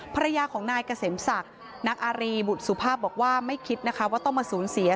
ภรรยาของนายเกษมศักดิ์นางอารีบุตรสุภาพบอกว่าไม่คิดนะคะว่าต้องมาสูญเสีย